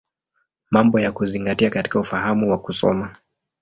Mambo ya Kuzingatia katika Ufahamu wa Kusoma.